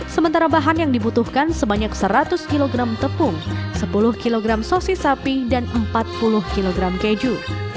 sementara bahan yang dibutuhkan sebanyak seratus kg tepung sepuluh kg sosis sapi dan empat puluh kg keju